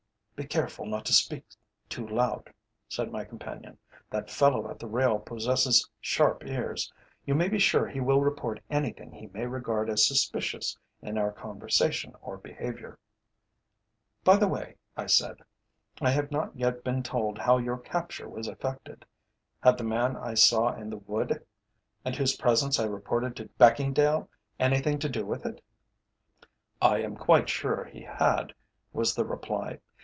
"Be careful not to speak too loud," said my companion. "That fellow at the rail possesses sharp ears. You may be sure he will report anything he may regard as suspicious in our conversation or behaviour." "By the way," I said, "I have not yet been told how your capture was effected. Had the man I saw in the wood, and whose presence I reported to Beckingdale, anything to do with it?" "I am quite sure he had," was the reply.